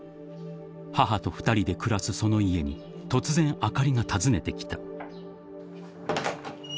［母と２人で暮らすその家に突然あかりが訪ねてきた］